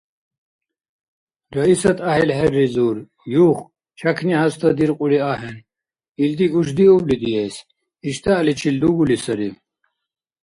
Раисат гӀяхӀил хӀерризур: «Юх! Чякни хӀязтадиркьули ахӀен. Илди гушдиубли диэс, иштяхӀличил дугули сари…»